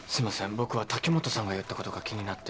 僕は滝本さんが言ったことが気になって。